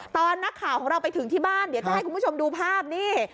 ตอนนักข่าวของเราไปถึงที่บ้านเดี๋ยวจะให้คุณผู้ชมดูภาพนี่